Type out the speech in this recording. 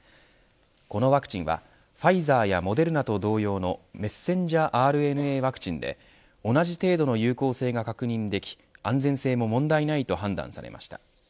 このワクチンはファイザーやモデルナと同様のｍＲＮＡワクチンで同じ程度の有効性が確認でき安全性も問題ないと判断されました。